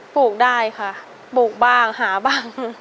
ลูกได้ค่ะปลูกบ้างหาบ้าง